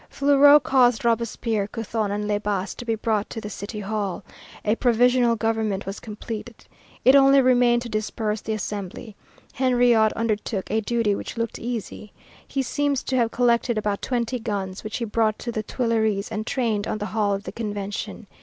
Fleuriot caused Robespierre, Couthon, and Le Bas to be brought to the City Hall. A provisional government was completed. It only remained to disperse the Assembly. Henriot undertook a duty which looked easy. He seems to have collected about twenty guns, which he brought to the Tuileries and trained on the hall of the Convention.